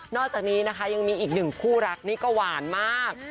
อกจากนี้นะคะยังมีอีกหนึ่งคู่รักนี่ก็หวานมาก